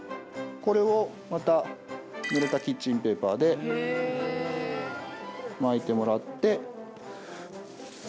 これをまたぬれたキッチンペーパーで巻いてもらって。